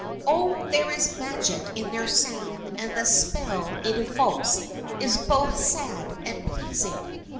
Oh, there is magic in their sound, and the spell it evokes is both sad and pleasing.